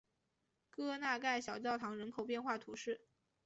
戈纳盖小教堂人口变化图示